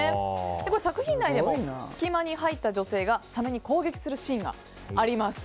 作品内でも隙間に入った女性がサメに攻撃するシーンがあります。